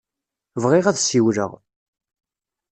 Bɣiɣ ad d-ssiwleɣ.